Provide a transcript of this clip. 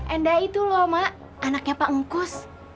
endah itu loh mak anaknya pak ngkus